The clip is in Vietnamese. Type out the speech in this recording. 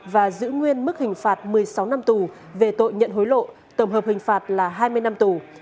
và giữ nguyên mức hình phạt một mươi sáu năm tù về tội nhận hối lộ tổng hợp hình phạt là hai mươi năm tù